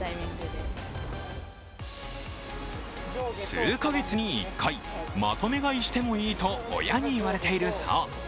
数カ月に１回、まとめ買いしてもいいと親にいわれているそう。